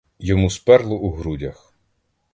Йому сперло у грудях.